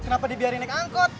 kenapa dibiarin naik angkot